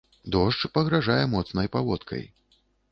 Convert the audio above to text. Дождж пагражае моцнай паводкай.